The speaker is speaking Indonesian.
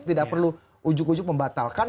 tidak perlu ujuk ujuk membatalkan